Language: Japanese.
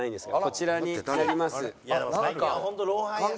こちらになります。